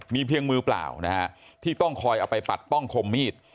มีเพียงมือเปล่านะฮะที่ต้องคอยเอาไปปัดป้องคมมีด